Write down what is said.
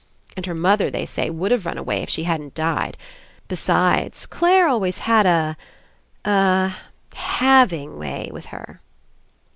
And her mother, they say, would have run away If she hadn't died. Besides, Clare always had a — a — having way with her."